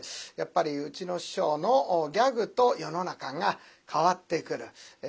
やっぱりうちの師匠のギャグと世の中が変わってくる。